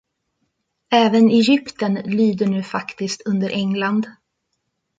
Även Egypten lyder nu faktiskt under England.